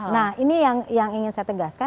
nah ini yang ingin saya tegaskan